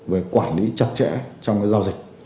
về quản lý chặt chẽ trong cái giao dịch